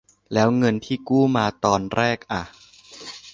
แล้วเงินที่กู้มาตอนแรกอะ ?